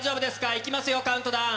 いきますよ、カウントダウン。